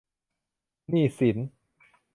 หนี้สิน